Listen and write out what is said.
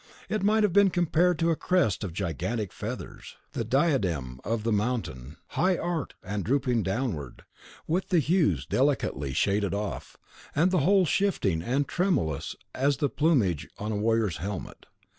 It might have been compared to a crest of gigantic feathers, the diadem of the mountain, high arched, and drooping downward, with the hues delicately shaded off, and the whole shifting and tremulous as the plumage on a warrior's helmet.